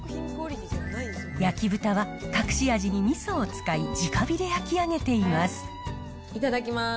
焼き豚は隠し味にみそを使いじか火で焼き上げています。